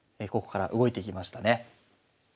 ここから動いていきましたね。